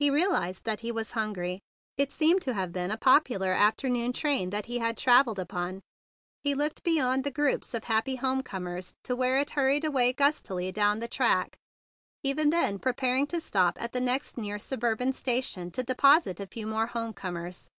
He realized that he was hungry. It seemed to have been a popular afternoon train that he had travelled upon. He looked beyond the groups of happy home comers to where it hur¬ ried away gustily down the track, even then preparing to stop at the next near suburban station to deposit a few more home comers.